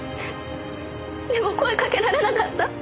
でも声かけられなかった！